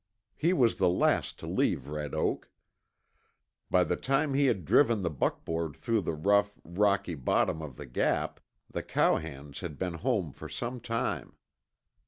He was the last to leave Red Oak. By the time he had driven the buckboard through the rough, rocky bottom of the Gap, the cowhands had been home for some time.